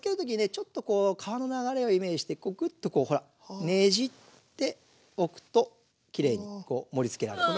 ちょっと川の流れをイメージしてクッとこうほらねじって置くときれいに盛りつけられます。